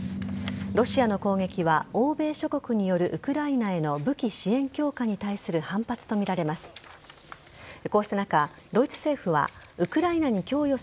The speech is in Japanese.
ロシアの攻撃は欧米諸国によるウクライナへの武器支援強化に対する反発とみられます。